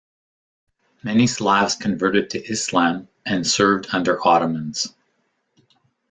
Many Slavs converted to Islam and served under Ottomans.